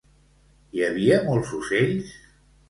Hi havia molts ocells?